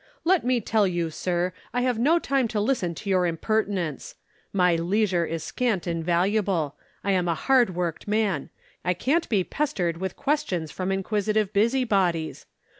"Let me tell you, sir, I have no time to listen to your impertinence. My leisure is scant and valuable. I am a hard worked man. I can't be pestered with questions from inquisitive busybodies.